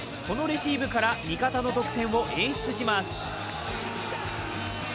このレシーブから味方の得点を演出します。